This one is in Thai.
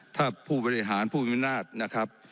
ถ้าผู้บริหารผู้มีอำนาจนะครับ